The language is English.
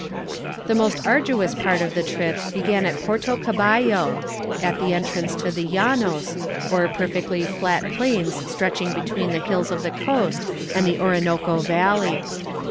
The most arduous part of the trip began at Porto Caballo, at the entrance to the llanos, or perfectly flat plains stretching between the hills of the coast and the Orinoco valley.